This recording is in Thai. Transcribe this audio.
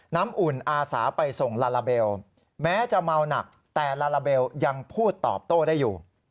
น้ำอุ่นอาสาไปส่งลาลาเบลแม้จะเมาหนักแต่ลาลาเบลยังพูดตอบโต้ได้อยู่